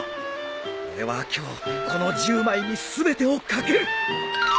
俺は今日この１０枚に全てを懸ける